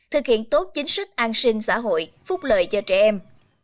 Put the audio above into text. thực hiện tốt chính sách an sinh xã hội phúc lợi cho trẻ em